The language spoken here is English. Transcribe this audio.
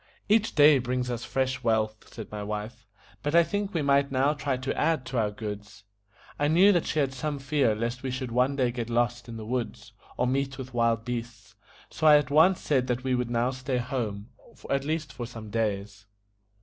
"Each day brings us fresh wealth," said my wife; "but I think we might now try to add to our goods." I knew that she had some fear lest we should one day get lost in the woods, or meet with wild beasts, so I at once said that we would now stay at home, at least for some days.